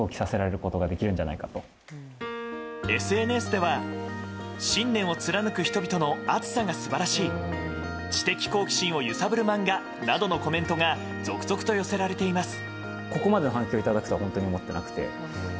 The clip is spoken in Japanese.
ＳＮＳでは、信念を貫く人々の熱さが素晴らしい知的好奇心を揺さぶる漫画などのコメントが続々と寄せられています。